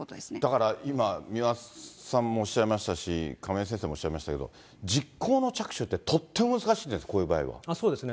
だから今、三輪さんもおっしゃいましたし、亀井先生もおっしゃいましたけど、実行の着手って、とっても難しいです、こういう場そうですね。